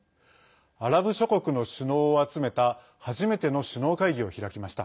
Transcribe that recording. アラブ諸国の首脳を集めた初めての首脳会議を開きました。